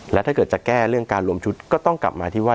แล้วถ้าเกิดจะแก้เรื่องการรวมชุดก็ต้องกลับมาที่ว่า